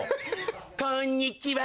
こんにちは